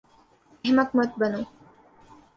احمق مت بنو